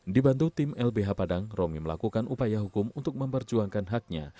dibantu tim lbh padang romi melakukan upaya hukum untuk memperjuangkan haknya